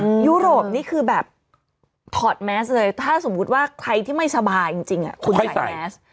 ยุโรปนี่คือแบบถอดแมสเลยถ้าสมมุติว่าใครที่ไม่สบายจริงจริงอ่ะคุณใส่แมส